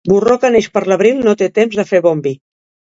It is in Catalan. Borró que neix per l'abril no té temps de fer bon vi.